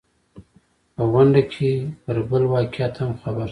په غونډه کې پر بل واقعیت هم خبر شوم.